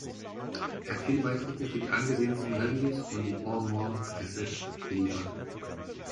Er hat viele Beiträge für die angesehensten Reviews und die "Pall Mall Gazette" geliefert.